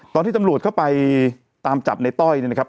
ตอนที่ตำรวจเข้าไปตามจับในต้อยเนี่ยนะครับ